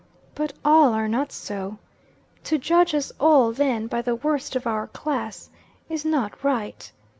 But all are not so. To judge us all, then, by the worst of our class, is not right.